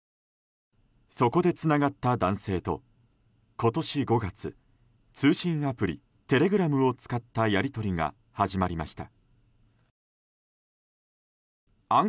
そこでつながった男性と今年５月通信アプリ、テレグラムを使ったやり取りが始まりました。